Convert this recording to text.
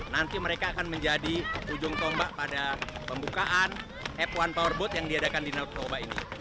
nanti mereka akan menjadi ujung tombak pada pembukaan f satu powerboat yang diadakan di danau toba ini